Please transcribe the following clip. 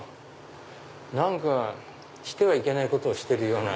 何かいけないことしてるような。